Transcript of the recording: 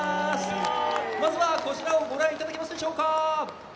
まずは、こちらをご覧いただけますでしょうか。